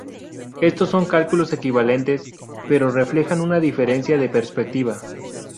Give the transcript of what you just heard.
Estos son cálculos equivalentes, pero reflejan una diferencia de perspectiva.